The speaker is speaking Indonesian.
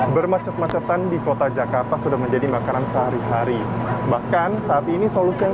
bermacet macetan di kota jakarta sudah menjadi makanan sehari hari bahkan saat ini solusi yang